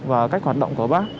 và cách hoạt động của bác